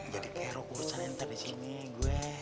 jadi kero urusan yang tadi sini gue